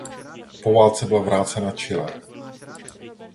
Po válce byla vrácena Chile.